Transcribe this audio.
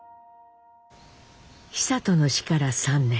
久渡の死から３年。